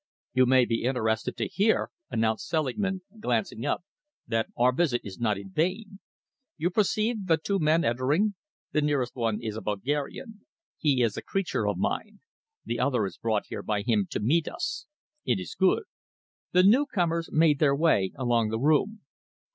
"You may be interested to hear," announced Selingman, glancing up, "that our visit is not in vain. You perceive the two men entering? The nearest one is a Bulgarian. He is a creature of mine. The other is brought here by him to meet us. It is good." The newcomers made their way along the room.